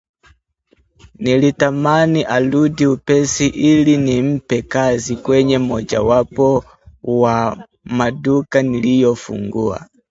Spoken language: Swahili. Nilitamani arudi upesi ili nimpe kazi kwenye mojawapo wa maduka niliyofungua